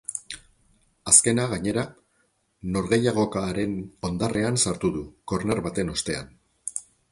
Azkena, gainera, norgehiagokaren hondarrean sartu du, korner baten ostean.